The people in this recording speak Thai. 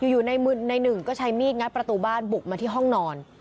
อยู่ในมือในหนึ่งก็ใช้มีดงัดประตูบ้านบุกมาที่ห้องนอน